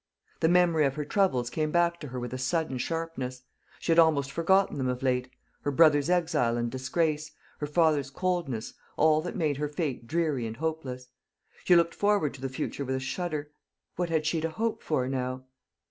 The memory of her troubles came back to her with a sudden sharpness. She had almost forgotten them of late her brother's exile and disgrace, her father's coldness, all that made her fate dreary and hopeless. She looked forward to the future with a shudder. What had she to hope for now?